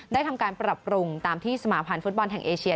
ทำการปรับปรุงตามที่สมาพันธ์ฟุตบอลแห่งเอเชีย